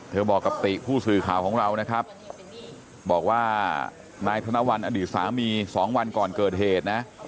บอกกับติผู้สื่อข่าวของเรานะครับบอกว่านายธนวัลอดีตสามี๒วันก่อนเกิดเหตุนะ